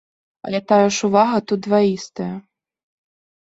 Але тая ж увага тут дваістая.